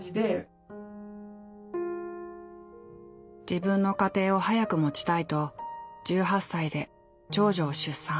自分の家庭を早く持ちたいと１８歳で長女を出産。